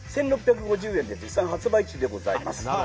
１６５０円で絶賛発売中でございます。